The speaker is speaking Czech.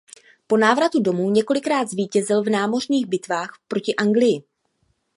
Po návratu domů několikrát zvítězil v námořních bitvách proti Anglii.